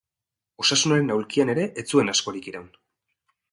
Osasunaren aulkian ere ez zuen askorik iraun.